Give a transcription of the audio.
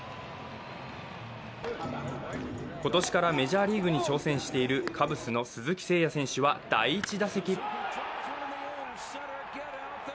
今年からメジャーリーグに挑戦しているカブスの鈴木誠也選手は第１打席。